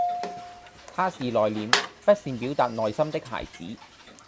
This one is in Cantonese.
他是內歛、不善表逹內心的孩子